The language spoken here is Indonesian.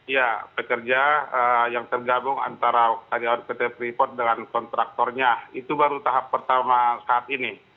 ya pekerja yang tergabung antara karyawan pt freeport dengan kontraktornya itu baru tahap pertama saat ini